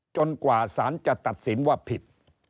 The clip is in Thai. กว่าสารจะตัดสินว่าผิด